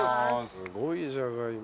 すごいじゃがいも。